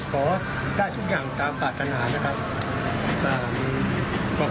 ขอได้ทุกอย่างตามปรารถนานะครับ